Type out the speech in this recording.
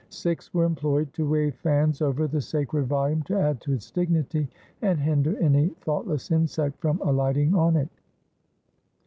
Sikhs were employed to wave fans over the sacred volume to add to its dignity, and hinder any thought less insect from alighting on it.